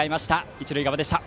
一塁側でした。